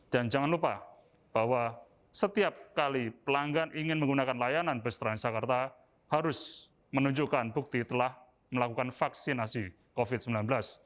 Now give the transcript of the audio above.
dan jangan lupa bahwa setiap kali pelanggan ingin menggunakan layanan bus transjakarta harus menunjukkan bukti telah melakukan vaksinasi covid sembilan belas